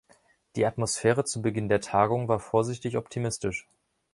Die Atmosphäre zu Beginn der Tagung war vorsichtig optimistisch.